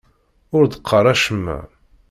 Ur d-qqaṛ acemma.